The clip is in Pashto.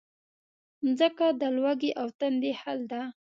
مځکه د لوږې او تندې حل ده.